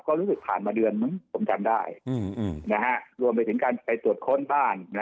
ก็รู้สึกผ่านมาเดือนมั้งผมจำได้รวมไปถึงการไปตรวจค้นบ้าน